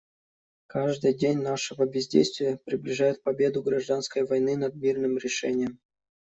Каждый день нашего бездействия приближает победу гражданской войны над мирным решением.